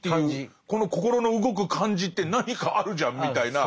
この心の動く感じって何かあるじゃんみたいな。